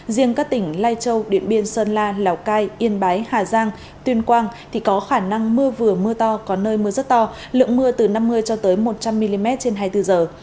riêng các tỉnh lai châu điện biên sơn la lào cai yên bái hà giang tuyên quang thì có khả năng mưa vừa mưa to có nơi mưa rất to lượng mưa từ năm mươi cho tới một trăm linh mm trên hai mươi bốn giờ